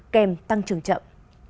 kèm tăng trưởng chậm